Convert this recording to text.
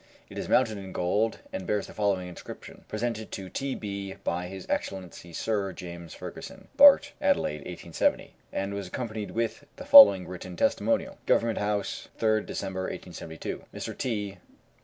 It is mounted in gold, and bears the following inscription: "Presented to T. B. by His Excellency Sir James Fergusson, Bart., Adelaide, 1870," and was accompanied with the following written testimonial: "Government House, 3rd December, 1872. Mr. T.